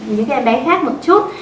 những em bé khác một chút